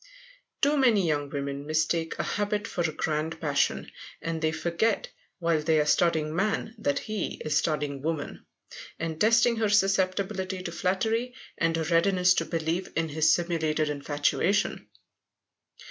Too many young women mistake a habit for a grand passion. And they forget, while they are studying man, that he is studying woman, and testing her susceptibility to flattery and her readiness to believe in his simulated infatuation.